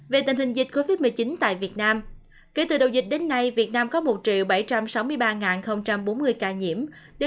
về tình hình dịch covid một mươi chín tại việt nam kể từ đầu dịch đến nay việt nam có một bảy trăm sáu mươi ba bốn mươi ca nhiễm